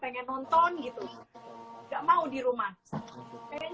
pengen susah untuk stay at home